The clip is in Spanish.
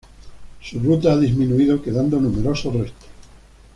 Su ruta ha disminuido, quedando numerosos restos.